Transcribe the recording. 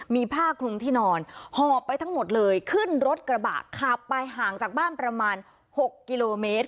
มีผ้าคลุมที่นอนหอบไปทั้งหมดเลยขึ้นรถกระบะขับไปห่างจากบ้านประมาณ๖กิโลเมตร